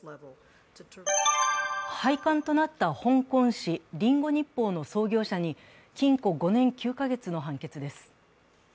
廃刊となった香港紙「リンゴ日報」の創業者に禁錮５年９か月の判決です。